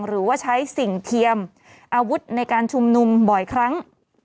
หรือว่าใช้สิ่งเทียมอาวุธในการชุมนุมบ่อยครั้ง